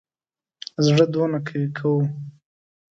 زړه دونه قوي وو.